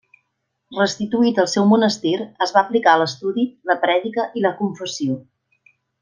Restituït al seu monestir es va aplicar a l'estudi, la prèdica i la confessió.